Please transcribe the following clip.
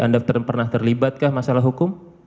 anda pernah terlibatkah masalah hukum